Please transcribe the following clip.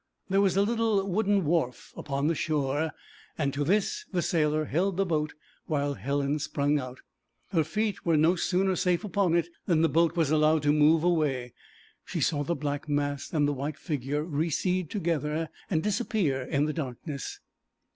There was a little wooden wharf upon the shore, and to this the sailor held the boat while Helen sprung out. Her feet were no sooner safe upon it than the boat was allowed to move away. She saw the black mast and the white figure recede together and disappear in the darkness.